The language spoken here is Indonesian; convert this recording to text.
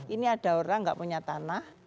ini ada orang nggak punya tanah